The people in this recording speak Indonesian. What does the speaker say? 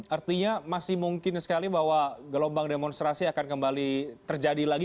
artinya masih mungkin sekali bahwa gelombang demonstrasi akan kembali terjadi lagi